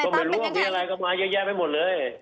ก็ไม่รู้มีอะไรข้ากลายแย่ไปหมดเลย